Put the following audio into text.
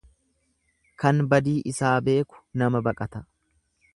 Kan badii isaa beeku nama baqata.